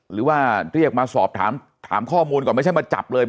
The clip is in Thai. หรือว่าเรียกมาสอบถามถามข้อมูลก่อนไม่ใช่มาจับเลย